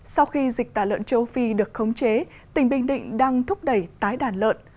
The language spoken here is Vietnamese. sau khi dịch tả lợn châu phi được khống chế tỉnh bình định đang thúc đẩy tái đàn lợn